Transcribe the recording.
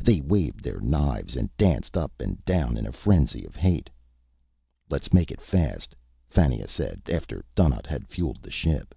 They waved their knives and danced up and down in a frenzy of hate. "Let's make it fast," Fannia said, after Donnaught had fueled the ship.